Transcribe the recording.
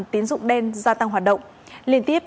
tín dụng đen gia tăng hoạt động liên tiếp